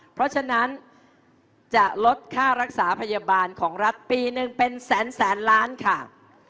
เพราะฉะนั้นจะลดค่ารักษาพยาบาลของรัฐปีหนึ่งเป็นแสนแสนล้านค่ะ